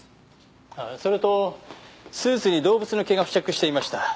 それとスーツに動物の毛が付着していました。